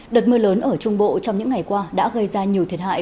đợt mưa lớn ở trung bộ trong những ngày qua đã gây ra nhiều thiệt hại